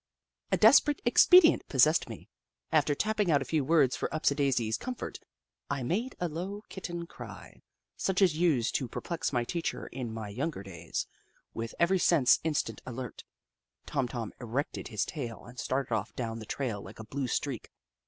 A desperate expedient possessed me. After tapping out a few words for Upsidaisi's com fort, I made a low Kitten cry, such as used to 1 8 The Book of Clever Beasts perplex my teacher in my younger days. With every sense instantly alert, Tom Tom erected his tail and started off down the trail like a blue streak.